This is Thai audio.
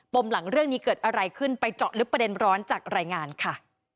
มหลังเรื่องนี้เกิดอะไรขึ้นไปเจาะลึกประเด็นร้อนจากรายงานค่ะ